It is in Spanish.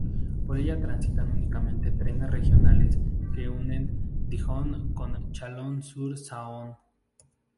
Por ella transitan únicamente trenes regionales que unen Dijon con Chalon-sur-Saône.